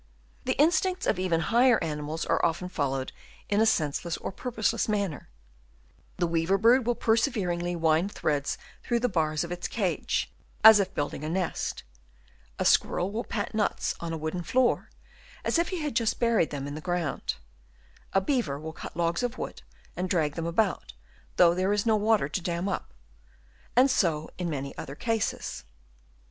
The instincts of even the higher animals are often followed in a senseless or purposeless manner : the weaver bird will perse veringly wind threads through the bars of its cage, as if building a nest : a squirrel will pat nuts on a wooden floor, as if he had just buried them in the ground : a beaver will cut up logs of wood and drag them about, though there is no water to dam up ; and so in many other cases.